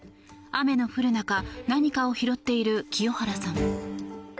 雨の降る中何かを拾っている清原さん。